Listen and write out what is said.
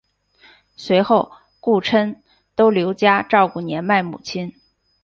随后顾琛都留家照顾年迈母亲。